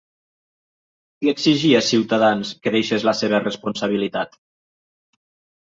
Qui exigia Ciutadans que deixés la seva responsabilitat?